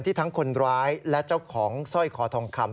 ทั้งคนร้ายและเจ้าของสร้อยคอทองคำ